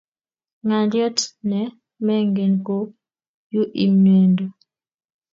ngaliot ne mengen ko u imendo